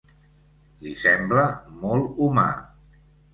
Li sembla molt humà.